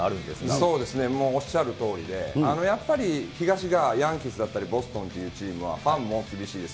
そうですね、もうおっしゃるとおりで、もう東がヤンキースだったりボストンというチームはファンも厳しいです。